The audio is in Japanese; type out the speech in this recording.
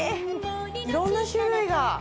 いろんな種類が。